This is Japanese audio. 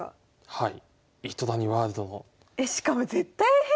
はい。